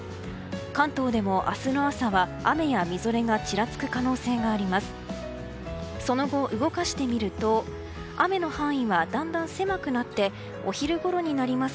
関東でも明日の朝は雨やみぞれがちらつく可能性があります。